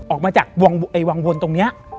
ออกมาจากวังวนตรงนี้